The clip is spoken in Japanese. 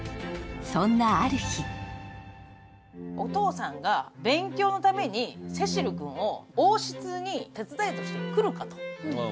そんなある日お父さんが勉強のためにセシル君を王室に手伝いとして来るかと。